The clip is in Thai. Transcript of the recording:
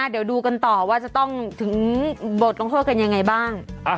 เดี๋ยวดูกันต่อว่าจะต้องถึงบทลงโทษกันยังไงบ้าง